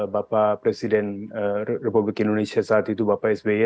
bapak presiden republik indonesia saat itu bapak sby